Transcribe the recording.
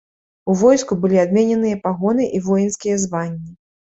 У войску былі адмененыя пагоны і воінскія званні.